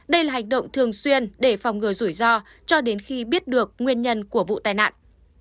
đây là hành động thường xuyên để phòng ngừa rủi ro cho đến khi biết được nguyên nhân của vụ tai nạn